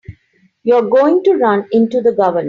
You're going to run into the Governor.